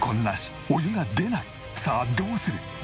さあどうする？